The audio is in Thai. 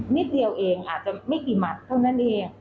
นิดเดียวเองอาจจะไม่กี่หมัดเท่านั้นเอง